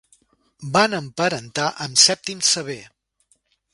Van emparentar amb Sèptim Sever.